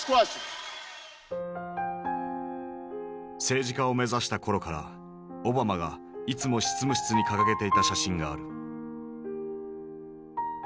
政治家を目指した頃からオバマがいつも執務室に掲げていた写真がある。